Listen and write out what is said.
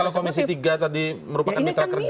kalau komisi tiga tadi merupakan mitra kerja